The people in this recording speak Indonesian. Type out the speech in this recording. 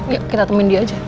yuk kita temenin dia aja